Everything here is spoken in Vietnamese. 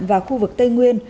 và khu vực tây nguyên